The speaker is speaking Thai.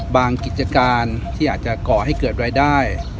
กิจการที่อาจจะก่อให้เกิดรายได้